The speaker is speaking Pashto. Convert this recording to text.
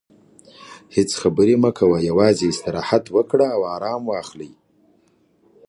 هیڅ خبرې مه کوه، یوازې استراحت وکړه او ارام واخلې.